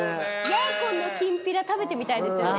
ヤーコンのきんぴら食べてみたいですよね。